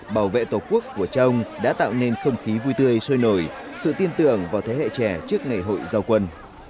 bảo vệ tổ quốc của chồng đã tạo nên không khí vui tươi sôi nổi sự tin tưởng vào thế hệ trẻ trước ngày hội giao quân